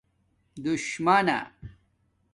دُشمݳنہ